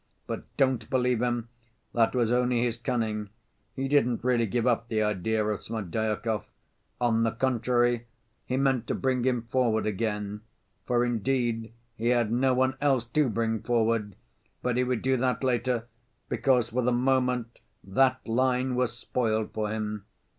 But don't believe him, that was only his cunning; he didn't really give up the idea of Smerdyakov; on the contrary, he meant to bring him forward again; for, indeed, he had no one else to bring forward, but he would do that later, because for the moment that line was spoiled for him.